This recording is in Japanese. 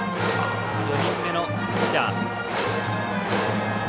４人目のピッチャー。